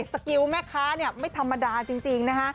สกิลแม็กซ์คะไม่ธรรมดาจริง